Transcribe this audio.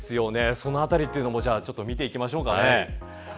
そのあたりもちょっと見ていきましょうか。